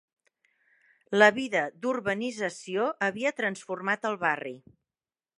La vida d'urbanisació havia transformat el barri